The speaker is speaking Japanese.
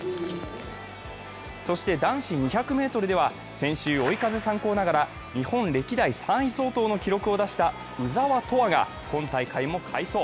そして男子２００ｍでは先週追い風参考ながら日本歴代３位相当の記録を出した鵜澤飛羽が今大会も快走。